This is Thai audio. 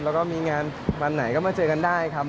แล้วก็มีงานวันไหนก็มาเจอกันได้ครับ